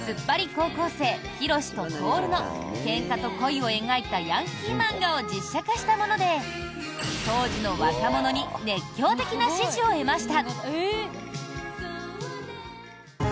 高校生ヒロシとトオルのけんかと恋を描いたヤンキー漫画を実写化したもので当時の若者に熱狂的な支持を得ました。